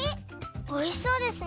おいしそうですね！